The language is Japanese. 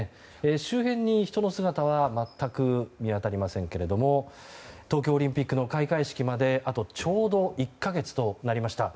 周辺に人の姿は全く見当たりませんけれども東京オリンピックの開会式まであとちょうど１か月となりました。